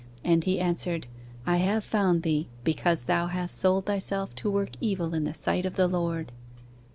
And he answered, I have found thee: because thou hast sold thyself to work evil in the sight of the Lord.